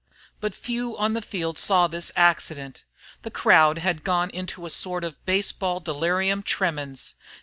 But few on the field saw this accident. The crowd had gone into a sort of baseball delirium tremens.